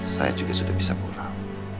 saya juga sudah bisa mural